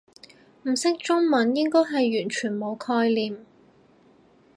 唔識中文應該係完全冇概念